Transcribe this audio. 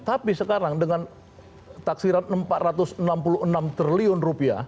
tapi sekarang dengan taksiran rp empat ratus enam puluh enam triliun